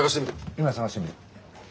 今探してみる。